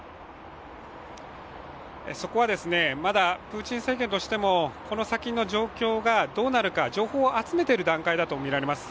そこは、まだ、プーチン政権としても、この先の状況がどうなるか情報を集めてる段階だとみられます。